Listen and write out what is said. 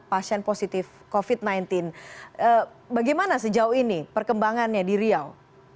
pasien positif covid sembilan belas bagaimana sejauh ini perkembangannya di riau